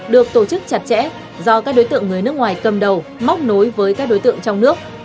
được tổ chức chặt chẽ do các đối tượng người nước ngoài cầm đầu móc nối với các đối tượng trong nước